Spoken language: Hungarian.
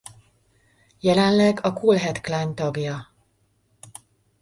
Jelenleg a Cool Head Klan tagja.